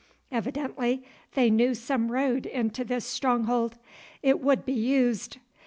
Evidently they knew some road into this stronghold. It would be used.